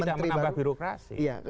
jadi tidak menambah birokrasi